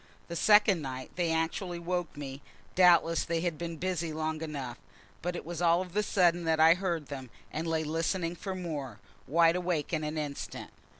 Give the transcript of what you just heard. The second night they actually woke me; doubtless they had been busy long enough, but it was all of a sudden that I heard them, and lay listening for more, wide awake in an instant.